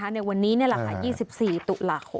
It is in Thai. ในวันนี้เนี่ยละค่ะ๒๔ตุลาโข